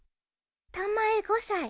「たまえ５歳。